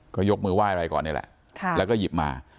ก็ยกมือไหว้อะไรก่อนนี่แหละแล้วก็หยิบมา